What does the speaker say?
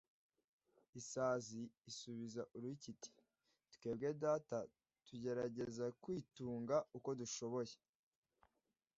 isazi isubiza uruyuki iti « twebwe data tugerageza kwitunga uko dushoboye